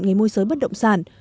người môi giới bất động sản